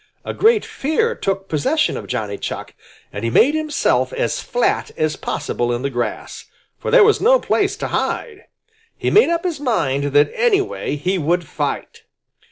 A great fear took possession of Johnny Chuck, and he made himself as flat as possible in the grass, for there was no place to hide. He made up his mind that anyway he would fight.